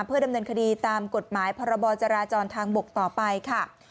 เพื่อดำเนินคดีตามกฎหมายพรบจราจรทางบกต่อไปค่ะ